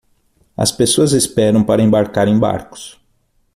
As pessoas esperam para embarcar em barcos.